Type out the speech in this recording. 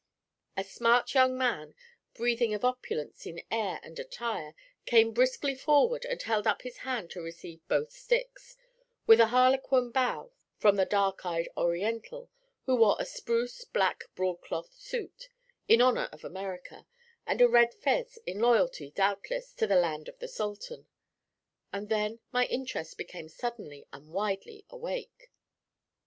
A smart young man, breathing of opulence in air and attire, came briskly forward and held up his hand to receive both sticks, with a harlequin bow from the dark eyed Oriental, who wore a spruce black broadcloth suit, in honour of America, and a red fez, in loyalty, doubtless, to the land of the Sultan; and then my interest became suddenly and widely awake.